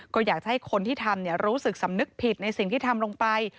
ก็อยากจะให้คนที่ทำรู้สึกสำนึกผิดในสิ่งที่ทำลงไป